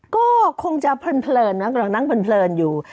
ก็คงจะเพลินนะกำลังนั่งเพลินอยู่